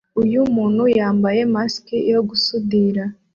Uyu muntu yambaye mask yo gusudira